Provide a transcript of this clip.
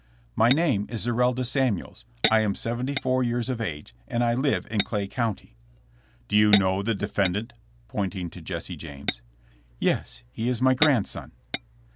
My name is Zerelda Samuels, I am seventy four years of age, and I live in Clay County." Do you know the defendant?" pointing to Jesse James. *'Yes; he ia my grandson."